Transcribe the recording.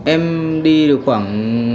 em đi được khoảng